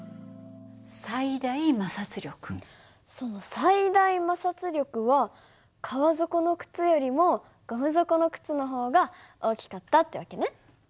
その最大摩擦力は革底の靴よりもゴム底の靴の方が大きかったって訳ね。